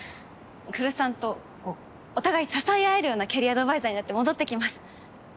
来栖さんとこうお互い支え合えるようなキャリアアドバイザーになって戻ってきます。